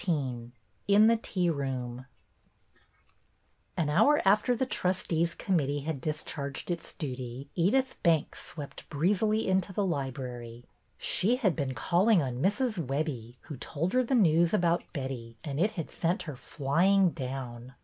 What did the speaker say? XIX IN THE TEA ROOM AN hour after the trustees' committee had discharged its duty Edyth Banks swept breezily into the library. She had been calling on Mrs. Webbie, who told her the news about Betty, and it had sent her flying down.